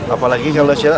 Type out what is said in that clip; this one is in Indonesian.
apalagi kalau secara fisik